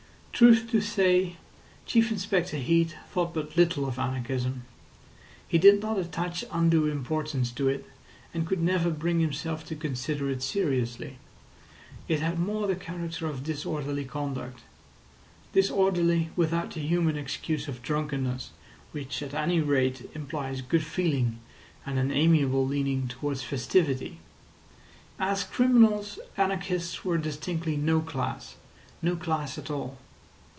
Truth to say, Chief Inspector Heat thought but little of anarchism. He did not attach undue importance to it, and could never bring himself to consider it seriously. It had more the character of disorderly conduct; disorderly without the human excuse of drunkenness, which at any rate implies good feeling and an amiable leaning towards festivity. As criminals, anarchists were distinctly no class—no class at all.